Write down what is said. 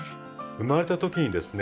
生まれた時にですね